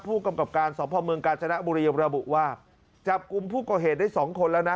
ผู้กำกับการสอบพ่อเมืองกาญจนบุรีระบุว่าจับกลุ่มผู้ก่อเหตุได้สองคนแล้วนะ